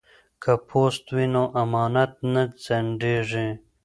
که پوست وي نو امانت نه ځنډیږي.